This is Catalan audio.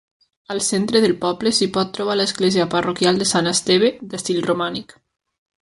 Al centre del poble s'hi pot trobar l'església parroquial de Sant Esteve, d'estil romànic.